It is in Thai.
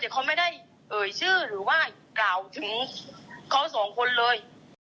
แต่เขาไม่ได้เอ่ยชื่อหรือว่ากล่าวถึงเขาสองคนเลย